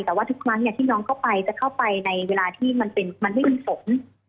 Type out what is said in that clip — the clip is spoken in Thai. แต่ว่าทุกครั้งที่น้องเข้าไปจะเข้าไปในเวลาที่มันไม่มีฝน